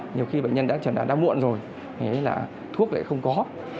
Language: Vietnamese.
nhiều khi bệnh nhân đã trở nạn đã muộn rồi thuốc lại không có